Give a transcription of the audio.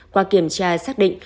qua kiểm tra xác định